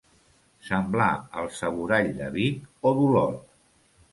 Semblar el saborall de Vic o d'Olot.